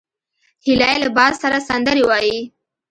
هیلۍ له باد سره سندرې وايي